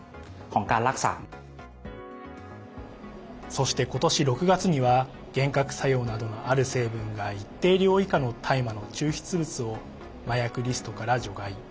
そして、今年６月には幻覚作用などがある成分が一定量以下の大麻の抽出物を麻薬リストから除外。